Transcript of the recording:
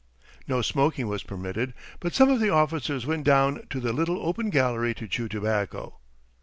No smoking was permitted, but some of the officers went down to the little open gallery to chew tobacco.